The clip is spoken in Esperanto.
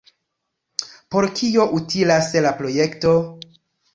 Por kio utilas la projekto?